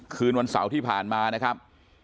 คืนวันเสาร์ที่ผ่านมานะครับ